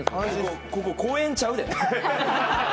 ここ、公園ちゃうで。